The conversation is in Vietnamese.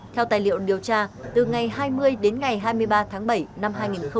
theo tài liệu điều tra từ ngày hai mươi đến ngày hai mươi ba tháng bảy năm hai nghìn hai mươi